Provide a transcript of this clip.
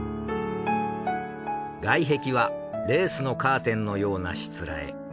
外壁はレースのカーテンのようなしつらえ。